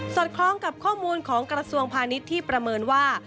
คล้องกับข้อมูลของกระทรวงพาณิชย์ที่ประเมินว่า